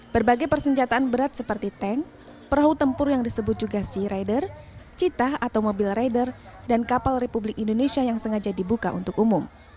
berbagai persenjataan berat seperti tank perahu tempur yang disebut juga sea rider citah atau mobil rider dan kapal republik indonesia yang sengaja dibuka untuk umum